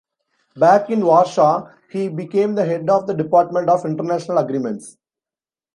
Back in Warsaw, he became the head of the department of international agreements.